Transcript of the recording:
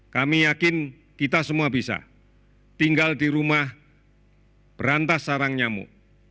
kami yakin kita semua bisa tinggal di rumah berantas sarang nyamuk